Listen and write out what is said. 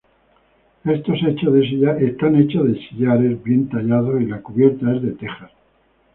Está hecho de sillares bien tallados y la cubierta es de tejas.